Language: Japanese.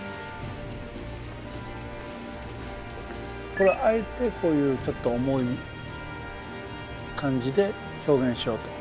これはあえてこういうちょっと重い感じで表現しようと？